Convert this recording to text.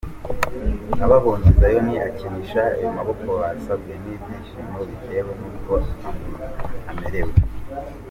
Ababonye Zion akinisha ayo maboko basabwe n’ibyishimo bitewe nuko amerewe.